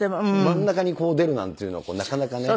真ん中に出るなんていうのなかなかね。